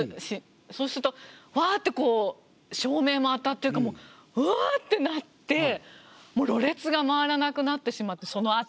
そうするとうわってこう照明も当たってるからもううわってなってろれつが回らなくなってしまってそのあと。